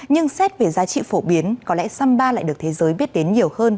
nhưng xét về giá trị phổ biến có lẽ samba lại được thế giới biết đến nhiều hơn